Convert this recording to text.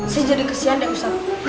saya jadi kesian deh ustadz